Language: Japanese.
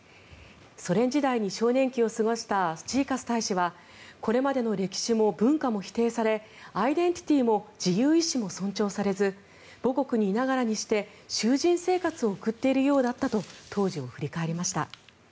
ソ連時代に少年期を過ごしたジーカス大使はこれまでの歴史も文化も否定されアイデンティティーも自由意思も尊重されず母国にいながらにして囚人生活を送っているようだったと当時を振り返りました。